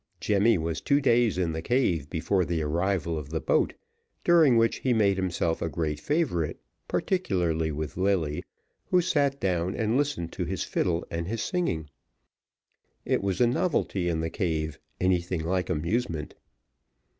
Jemmy was two days in the cave before the arrival of the boat, during which he made himself a great favourite, particularly with Lilly, who sat down and listened to his fiddle and his singing. It was a novelty in the cave, anything like amusement.